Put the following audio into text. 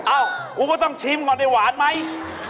เอ้าครูก็ต้องชิมก่อนไอ้หวานไหม